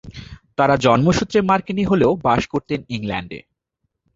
তারা জন্মসূত্রে মার্কিনী হলেও বাস করতেন ইংল্যান্ডে।